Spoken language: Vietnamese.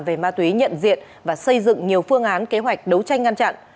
về ma túy nhận diện và xây dựng nhiều phương án kế hoạch đấu tranh ngăn chặn